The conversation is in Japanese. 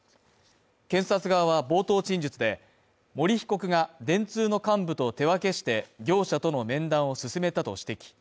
検察側は冒頭陳述で森被告が電通の幹部と手分けして、業者との面談を進めたと指摘。